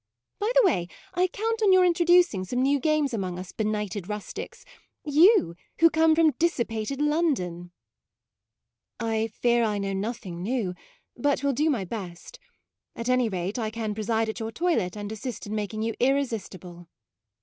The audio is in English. By the way, I count on your introducing some new games among us benighted rustics; you who come from dissi pated London." u I fear I know nothing new, but MAUDE . 1 7 will do my best. At any rate I can preside at your toilet and assist in making you irresistible."